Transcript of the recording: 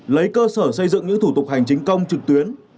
lấy cơ sở xây dựng những thủ tục hành chính công trực tuyến